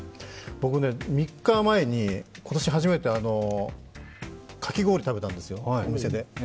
僕ね、３日前に今年初めてかき氷食べたんですよ、お店で。